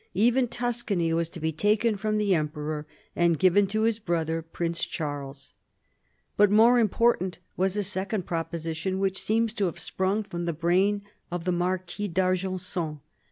Even Tuscany was to be taken from the emperor, and given to his brother Prince Charles. But more important was a second proposition, which seems to have sprung from the brain of the Marquis d'Argenson.